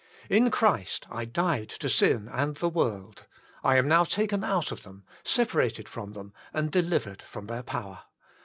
In Christ I died to sin and the world. I am now taken out of them, separated from them, and delivered from their power.